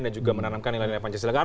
dan juga menanamkan ilan ilan pancasila